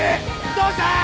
どうしたー！？